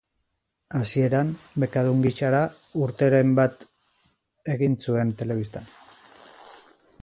Hasieran, bekadun gisara urteren bat egin zuen telebistan.